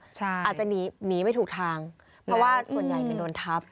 อาจจะหนีไม่ถูกทางเพราะว่าส่วนใหญ่โดนทับ